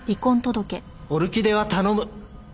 オルキデは頼む。